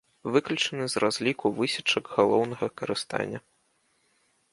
Выключаны з разліку высечак галоўнага карыстання.